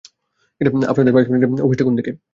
আপনাদের ভাইস-প্রেসিডেন্টের অফিস টা কোনদিকে?